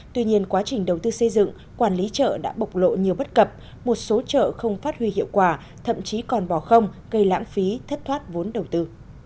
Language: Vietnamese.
tuy nhiên quá trình đầu tư xây dựng quản lý chợ đã bộc lộ nhiều bất cập một số chợ không phát huy hiệu quả thậm chí còn bỏ không gây lãng phí thất thoát vốn đầu tư